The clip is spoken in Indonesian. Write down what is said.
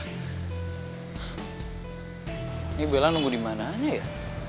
ini bella nunggu dimana aja ya